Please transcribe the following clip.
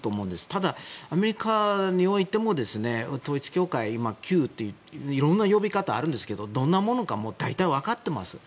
ただアメリカにおいても統一教会はいろんな呼び方があるんですけどどんなものか大体分かってますよ。